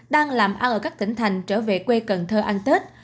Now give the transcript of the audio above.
đang làm ăn ở các tỉnh thành trở về quê cần thơ ăn tết